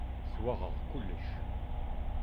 Swaɣeɣ kullec.